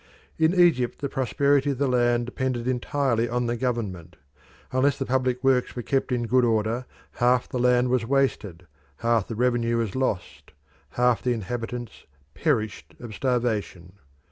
In Egypt the prosperity of the land depended entirely on the government. Unless the public works were kept in good order half the land was wasted, half the revenue was lost, half the inhabitants perished of starvation.